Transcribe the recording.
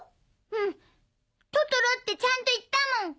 うんトトロってちゃんと言ったもん。